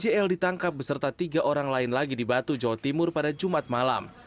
jl ditangkap beserta tiga orang lain lagi di batu jawa timur pada jumat malam